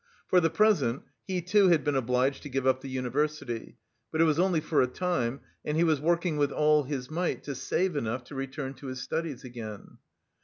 For the present he, too, had been obliged to give up the university, but it was only for a time, and he was working with all his might to save enough to return to his studies again.